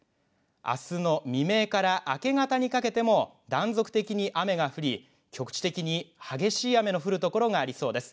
あすの未明から明け方にかけても断続的に雨が降り局地的に激しい雨の降る所がありそうです。